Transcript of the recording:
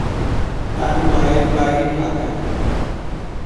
তার মায়ের বাড়ি ঢাকায়।